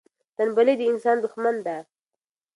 تنبلي د انسان دښمن ده.